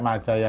masa dia masak